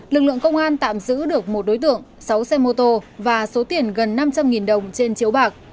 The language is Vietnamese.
lực lượng công an tạm giữ được một đối tượng sáu xe mô tô và số tiền gần năm trăm linh đồng trên chiếu bạc